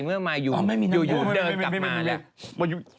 เมื่อมาอยู่อยู่เดินกลับมาแล้ว